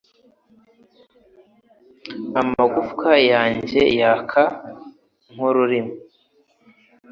amagufwa yanjye yaka nkurumuri